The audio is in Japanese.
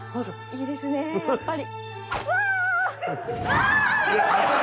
いいですねやっぱり。